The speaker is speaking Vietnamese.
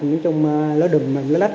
nói chung là lỡ đùm lỡ lắc